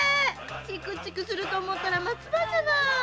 チクチクすると思ったら松葉じゃないの。